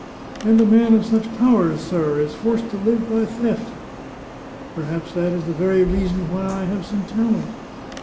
" And a man of such powers, sir, is forced to live by theft!" " Perhaps that is the very reason why I have some talent.